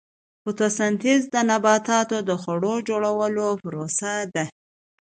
فوتوسنتیز د نباتاتو د خوړو جوړولو پروسه ده